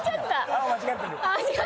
青間違ってる。